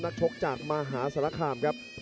นักชกจากมหาสระคามครับ